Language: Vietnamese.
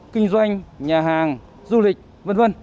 kinh doanh nhà hàng du lịch v v